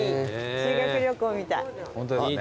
修学旅行みたい。